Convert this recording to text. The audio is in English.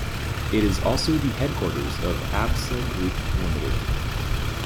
It is also the headquarters of Absa Group Limited.